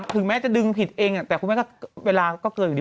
ถึงแม้จะดึงผิดเองแต่คุณแม่ก็เวลาก็เกินอยู่ดี